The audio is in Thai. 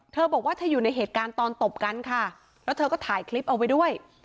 เธอบอกว่าเธออยู่ในเหตุการณ์ตอนตบกันค่ะแล้วเธอก็ถ่ายคลิปเอาไว้ด้วย